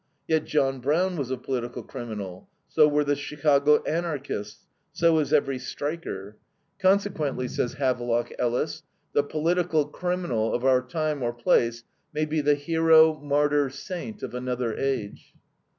Yet John Brown was a political criminal; so were the Chicago Anarchists; so is every striker. Consequently, says Havelock Ellis, the political criminal of our time or place may be the hero, martyr, saint of another age.